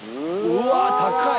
うわ高い！